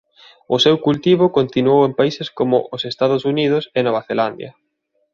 O seu cultivo continuou en países como os Estados Unidos e Nova Zelandia.